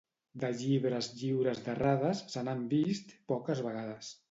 De llibres lliures d'errades, se n'han vist poques vegades.